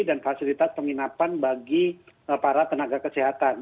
dan fasilitas penginapan bagi para tenaga kesehatan